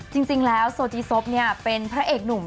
จริงแล้วโซจีซบเป็นพระเอกหนุ่ม